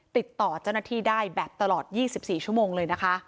ติดต่อเจ้าหน้าที่ได้แบบตลอด๒๔ชั่วโมงเลยนะคะ